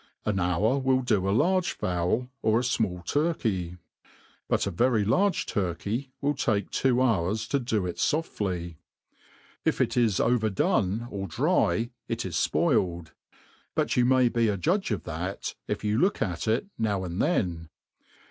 An hour will do a large fowl, or a fmall turkey $ but a very large turkey will take two hours to <i6 it foftly. if it is overdone or <try, it is fpoiled ; but you may be a judge of that, if you look at it now and then.